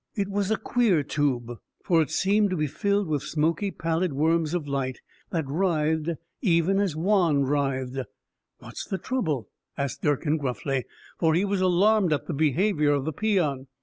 It was a queer tube, for it seemed to be filled with smoky, pallid worms of light that writhed even as Juan writhed. "What's the trouble?" asked Durkin gruffly, for he was alarmed at the behavior of the peon.